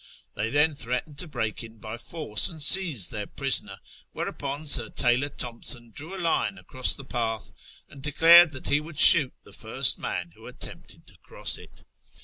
They then threatened to break in by force and seize their prisoner, whereupon Sir Taylor Thomson drew a line across the path and declared that he would shoot the first man who attempted to cross it.